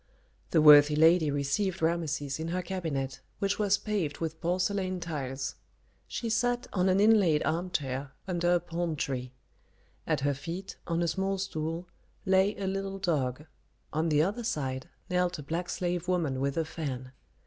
The worthy lady received Rameses in her cabinet, which was paved with porcelain tiles. She sat on an inlaid armchair under a palm tree. At her feet, on a small stool, lay a little dog; on the other side knelt a black slave woman with a fan.